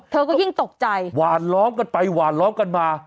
เธอก็ยิ่งตกใจหวานล้อมกันไปหวานล้อมกันมา